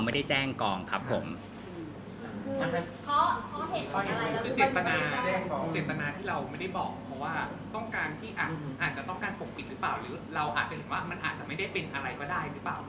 เราอาจจะเห็นว่ามันอาจจะไม่ได้เป็นอะไรก็ได้หรือเปล่า